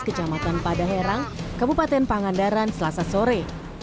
kecamatan padaherang kabupaten pangandaran selasa sore